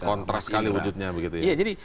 kontras sekali wujudnya jadi